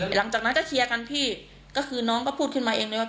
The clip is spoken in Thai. หลังจากนั้นก็เคลียร์กันพี่ก็คือน้องก็พูดขึ้นมาเองเลยว่า